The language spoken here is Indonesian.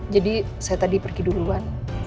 jadi saya tadi pergi duluan